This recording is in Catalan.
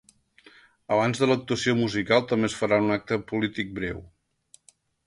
Abans de l’actuació musical també es farà un acte polític breu.